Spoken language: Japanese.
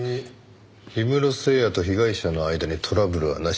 氷室聖矢と被害者の間にトラブルはなし。